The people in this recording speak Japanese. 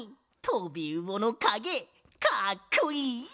とびうおのかげかっこいい！